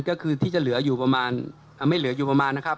ก็คือที่จะเหลืออยู่ประมาณไม่เหลืออยู่ประมาณนะครับ